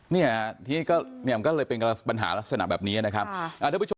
เนี่ยทีนี้ก็เลยเป็นปัญหาลักษณะแบบนี้นะครับ